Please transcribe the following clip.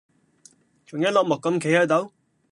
仲一碌木咁企喺度？